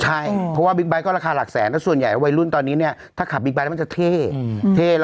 ใช่เพราะว่าบิ๊กบั๊ยราคาหลักแสนส่วนใหญ่วัยรุ่นตอนนี้เนี่ยถ้าขับบิ๊กบั๊ยก็จะเท่